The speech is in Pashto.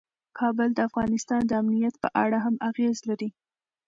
کابل د افغانستان د امنیت په اړه هم اغېز لري.